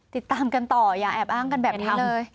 ติดตามกันต่ออย่าแอบอ้างกันแบบนี้เลย